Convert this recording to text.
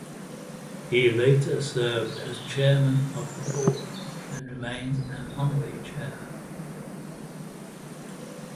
He later served as chair of the board and remains an honorary chair.